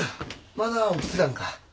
まだ起きてたんか。